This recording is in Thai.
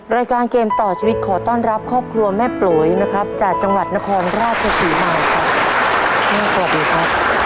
รายการเกมต่อชีวิตขอต้อนรับครอบครัวแม่ปลวยจากจังหวัดนครราชภีมา